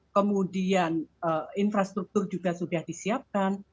kemudian infrastruktur juga sudah disiapkan